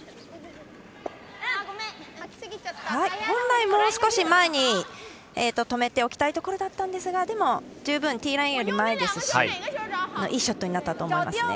本来、もう少し前に止めておきたいところでしたがでも、十分ティーラインより前ですしいいショットになったと思います。